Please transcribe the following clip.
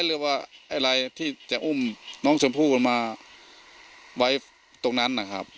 หรือว่าอะไรที่จะอุ้มน้องชมพู่มาไว้ตรงนั้นนะครับ